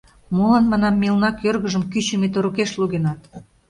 — Молан, манам, мелна кӧргыжым кӱчымӧ торыкеш лугенат?